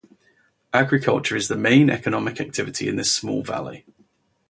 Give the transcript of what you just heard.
Agriculture is the main economic activity in this small valley.